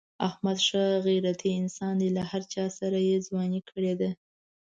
احمد ښه غیرتی انسان دی. له هر چاسره یې ځواني کړې ده.